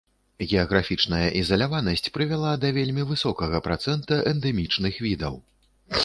Геаграфічная ізаляванасць прывяла да вельмі высокага працэнта эндэмічных відаў.